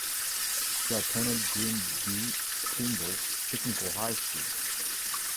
She attended Green B. Trimble Technical High School.